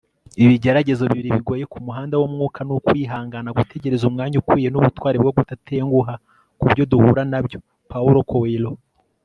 ibigeragezo bibiri bigoye kumuhanda wumwuka ni ukwihangana gutegereza umwanya ukwiye nubutwari bwo kudatenguha kubyo duhura nabyo. - paulo coelho